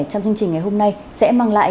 trong chương trình ngày hôm nay sẽ mang lại